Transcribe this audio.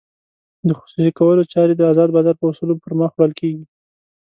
د خصوصي کولو چارې د ازاد بازار په اصولو پرمخ وړل کېږي.